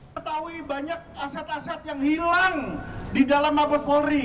ketahui banyak aset aset yang hilang di dalam mabes polri